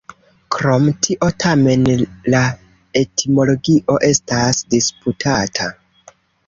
Krom tio, tamen, la etimologio estas disputata.